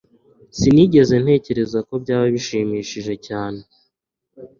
Sinigeze ntekereza ko byaba bishimishije cyane